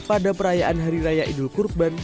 pada perayaan hari raya idul kurban